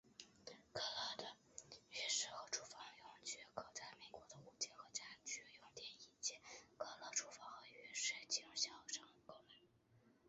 科勒的浴室和厨房用具可在美国的五金和家居用品店以及科勒厨房和浴室经销商购买。